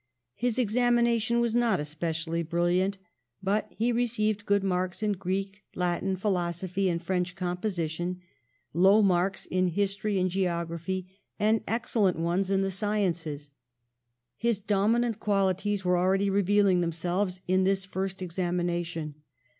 His examination was not especially brilliant, but he received good marks in Greek, Latin, philosophy and French composition, low marks in history and geography, and excellent ones in the sciences. His dominant qualities were already revealing themselves in this first examination.